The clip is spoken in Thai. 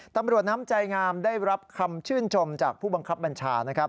น้ำใจงามได้รับคำชื่นชมจากผู้บังคับบัญชานะครับ